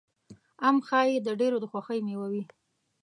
ام ښایي د ډېرو د خوښې مېوه وي.